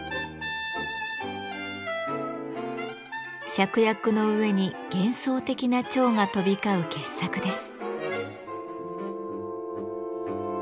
芍薬の上に幻想的な蝶が飛び交う傑作です。